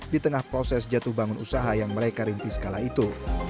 di tengah proses jatuh bangun usaha yang mereka rintis kala itu